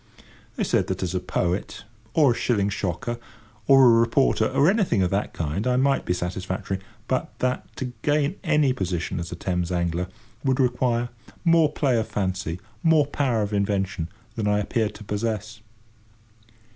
They said that as a poet, or a shilling shocker, or a reporter, or anything of that kind, I might be satisfactory, but that, to gain any position as a Thames angler, would require more play of fancy, more power of invention than I appeared to possess.